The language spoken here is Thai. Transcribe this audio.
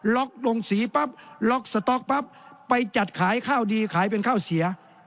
ลงสีปั๊บล็อกสต๊อกปั๊บไปจัดขายข้าวดีขายเป็นข้าวเสีย